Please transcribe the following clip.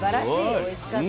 おいしかった。